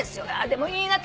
でもいいな。